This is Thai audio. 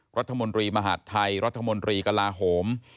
รัฐมนตรีมหาดไทยรัฐมนตรีกลาโหม